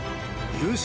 優勝！